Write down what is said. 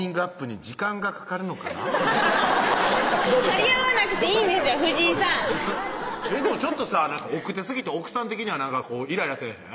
張り合わなくていいです藤井さんでもちょっとさ奥手すぎて奥さん的にはイライラせぇへん？